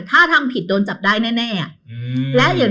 ถ้าทำผิดโดนจับได้แน่